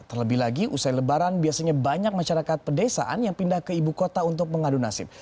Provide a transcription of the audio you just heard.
terlebih lagi usai lebaran biasanya banyak masyarakat pedesaan yang pindah ke ibu kota untuk mengadu nasib